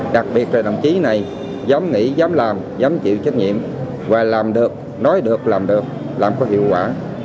đặc biệt là đồng chí này dám nghĩ dám làm dám chịu trách nhiệm và làm được nói được làm được làm có hiệu quả